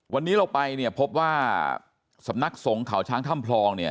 วันนี้เราไปพบว่าสำนักสงฆ์เขาช้างถ้ำพรอง